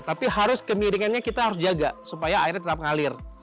tapi harus kemiringannya kita harus jaga supaya airnya tetap ngalir